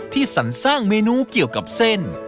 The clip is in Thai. สรรสร้างเมนูเกี่ยวกับเส้น